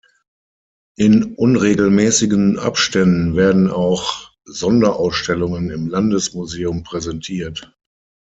In unregelmäßigen Abständen werden auch Sonderausstellungen im Landesmuseum präsentiert.